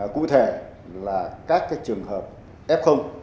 cụ thể là các cái trường hợp f